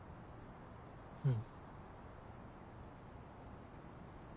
うん。